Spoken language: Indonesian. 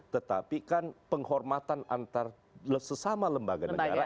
tetapi kan penghormatan antar sesama lembaga negara